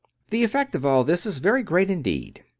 The effect of all this is very great indeed.